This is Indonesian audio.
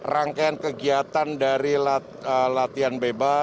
rangkaian kegiatan dari latihan bebas